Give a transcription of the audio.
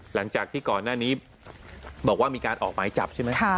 หลังจากที่ก่อนหน้านี้บอกว่ามีการออกหมายจับใช่ไหม